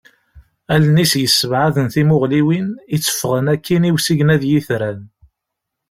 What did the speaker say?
Allen-is yessebɛaden timuɣliwin, itteffɣen akkin i usigna d yitran.